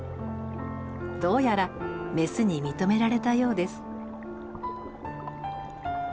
どうやらメスに認められたようです。